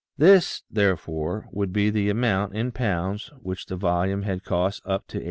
This, therefore, would be the amount, in pounds, which the volume had cost up to 1899.